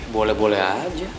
boleh boleh aja